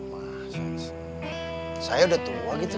wah saya udah tua gitu